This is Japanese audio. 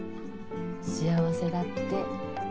幸せだって。